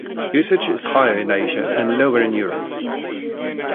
Usage is higher in Asia and lower in Europe.